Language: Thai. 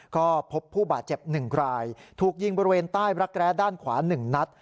ก็พบผู้บาดเจ็บ๑รายถูกยิงบริเวณใต้รักแร้ด้านขวา๑นัด